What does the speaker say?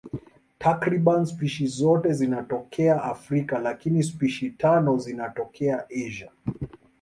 Takriban spishi zote zinatokea Afrika, lakini spishi tano zinatokea Asia.